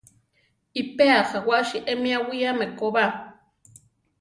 Iʼpéa jawási emi awíame ko ba.